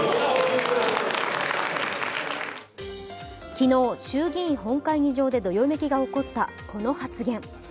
昨日、衆議院本会議場でどよめきが起こったこの発言。